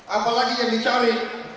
apalagi yang dicari